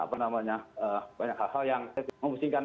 banyak hal hal yang memusingkan